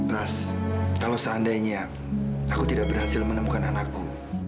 ras kalau seandainya aku tidak berhasil menemukan anakku